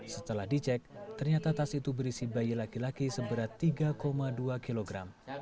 setelah dicek ternyata tas itu berisi bayi laki laki seberat tiga dua kilogram